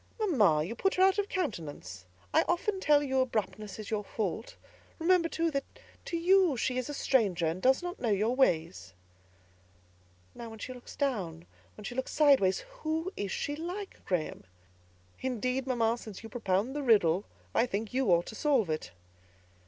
"Mamma, you put her out of countenance. I often tell you abruptness is your fault; remember, too, that to you she is a stranger, and does not know your ways." "Now, when she looks down; now, when she turns sideways, who is she like, Graham?" "Indeed, mamma, since you propound the riddle, I think you ought to solve it!"